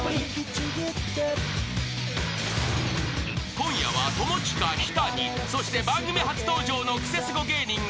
［今夜は友近日谷そして番組初登場のクセスゴ芸人が］